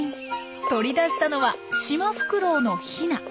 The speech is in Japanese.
取り出したのはシマフクロウのヒナ。